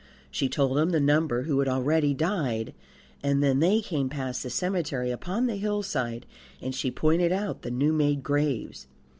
She told him the number who had already died; and then they came past the cemetery upon the hillside, and she pointed out the new made graves.